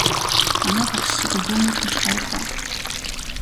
Манай багш шиг өгөөмөр хүн ч ховор доо.